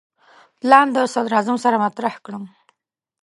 پلان له صدراعظم سره مطرح کړم.